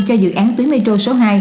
cho dự án tuyến metro số hai